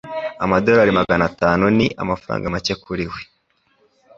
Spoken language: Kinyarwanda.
Amadolari magana atanu ni amafaranga make kuri we.